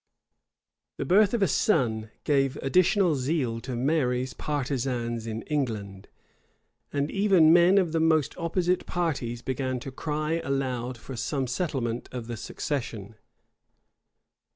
The birth of a son gave additional zeal to Mary's partisans in England;[] and even men of the most opposite parties began to cry aloud for some settlement of the succession.